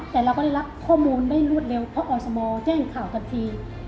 แต่เราก็ได้รับข้อมูลได้รวดเร็วเพราะอสมแจ้งข่าวทันที